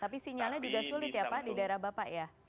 tapi sinyalnya juga sulit ya pak di daerah bapak ya